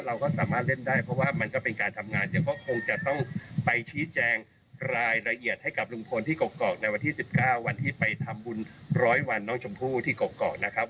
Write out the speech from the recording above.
เราก็สามารถเล่นได้เพราะว่ามันก็เป็นการทำงานเดี๋ยวก็คงจะต้องไปชี้แจงรายละเอียดให้กับลุงพลที่กรอกในวันที่๑๙วันที่ไปทำบุญร้อยวันน้องชมพู่ที่เกาะนะครับ